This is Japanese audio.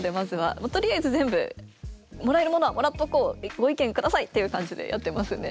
もうとりあえず全部もらえるものはもらっとこうご意見下さいっていう感じでやってますね。